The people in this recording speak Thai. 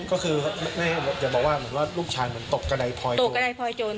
ก็คืออย่าบอกว่าลูกชัยตกกระดายปลอยโจร